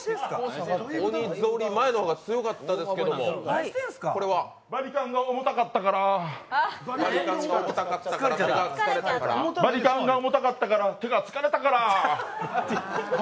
鬼ぞり前の方が強かったですけど、これはバリカンが重たかったから手が疲れたから。